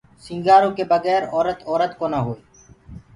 سينٚگآرو ڪي بگير اورَت اورَت ڪونآ هوئي۔